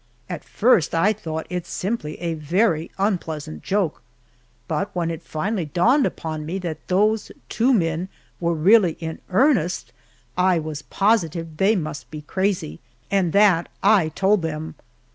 At first I thought it simply a very unpleasant joke, but when it finally dawned upon me that those two men were really in earnest, I was positive they must be crazy, and that I told them.